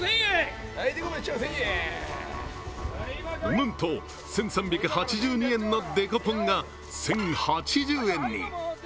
なんと１３８２円のデコポンが１０８０円に。